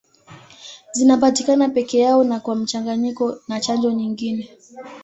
Zinapatikana peke yao na kwa mchanganyiko na chanjo nyingine.